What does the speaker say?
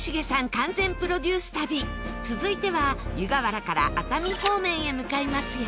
完全プロデュース旅続いては、湯河原から熱海方面へ向かいますよ